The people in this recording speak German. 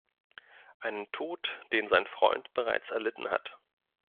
Einen Tod, den sein Freund bereits erlitten hat.